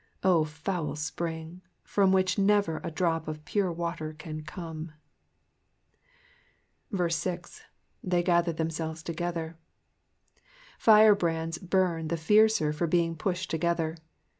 Oh, foul spring, from which never a drop of pure water can come ! 6. ^^They gather themselves together.'*'* Firebrands burn the fiercer for being pushed together.